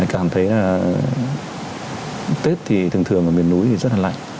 cảm thấy là tết thì thường thường ở miền núi thì rất là lạnh